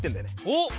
おっ。